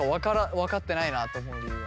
分かってないなと思う理由は？